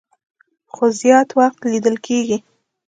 خو زيات وخت ليدل کيږي